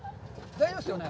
大丈夫ですよね？